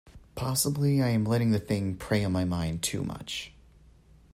Possibly I am letting the thing prey on my mind too much.